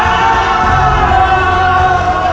jangan sampai lolos